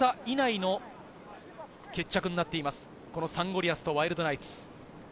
そのうち４度が５点差以内の決着になっています、サンゴリアスとワイルドナイツ。